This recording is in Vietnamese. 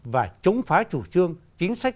và chống phá chủ trương chính sách